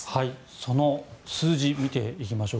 その数字を見ていきましょう。